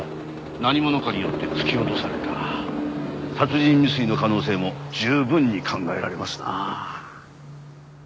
何者かによって突き落とされた殺人未遂の可能性も十分に考えられますなあ。